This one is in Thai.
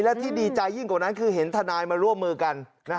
และที่ดีใจยิ่งกว่านั้นคือเห็นทนายมาร่วมมือกัน